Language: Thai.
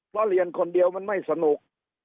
เพราะเรียนคนเดียวมันไม่สนุก